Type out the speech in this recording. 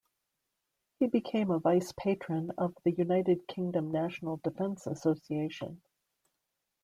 He became a vice-patron of the United Kingdom National Defence Association.